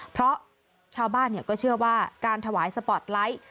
เพราะชาวบ้านก็เชื่อว่าการถวายสปอร์ตไลท์